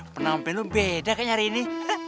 pernah nampen lu beda kayaknya hari ini